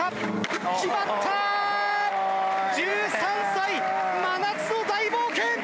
１３歳真夏の大冒険！